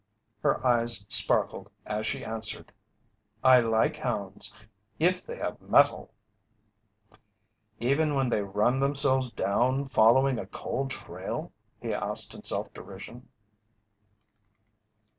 Her eyes sparkled as she answered: "I like hounds, if they have mettle." "Even when they run themselves down following a cold trail?" he asked in self derision.